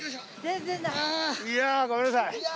いやぁごめんなさい。